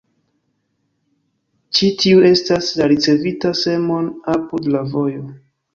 Ĉi tiu estas la ricevinta semon apud la vojo.